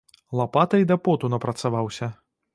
Лапатай да поту напрацаваўся.